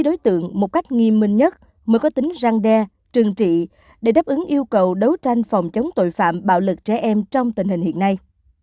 đối tượng một cách nghiêm minh nhất mới có tính răng đe trừng trị để đáp ứng yêu cầu đấu tranh phòng chống tội phạm bạo lực trẻ em trong tình hình hiện nay